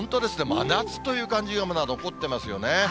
真夏という感じが、まだ残ってますよね。